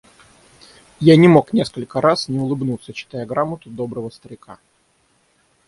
Я не мог несколько раз не улыбнуться, читая грамоту доброго старика.